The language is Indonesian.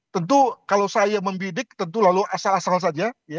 tentu kalau saya membidik tentu lalu asal asal saja